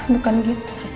bukan gitu rick